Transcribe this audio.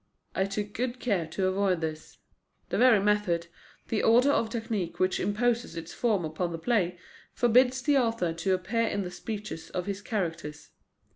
I took good care to avoid this. The very method, the order of technique which imposes its form upon the play, forbids the author to appear in the speeches of his characters.